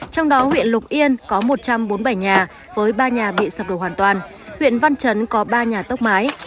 trong đó huyện lục yên có một trăm bốn mươi bảy nhà với ba nhà bị sập đổ hoàn toàn huyện văn chấn có ba nhà tốc mái